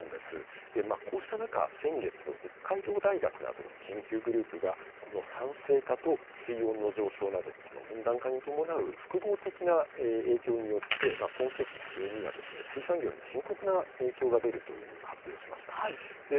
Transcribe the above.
こうした中先月、北海道大学などの研究グループがこの酸性化と水温の上昇など、温暖化に伴う複合的な影響によって今世紀末には水産業に深刻な影響が出ると発表しました。